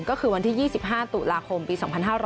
ก็คือวันที่๒๕ตุลาคมปี๒๕๕๙